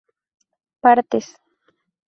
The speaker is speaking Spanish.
partes